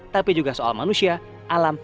tapi juga soal manusia alam